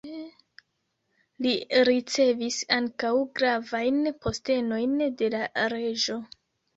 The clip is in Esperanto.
Li ricevis ankaŭ gravajn postenojn de la reĝo.